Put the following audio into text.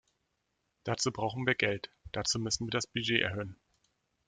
Dazu brauchen wir Geld, dazu müssen wir das Budget erhöhen.